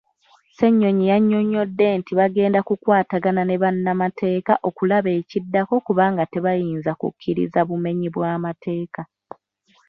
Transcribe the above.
Ssenyonyi yannyonnyodde nti bagenda kukwatagana ne bannamateeka okulaba ekiddako kubanga tebayinza kukkiriza bumenyi bwamateeka.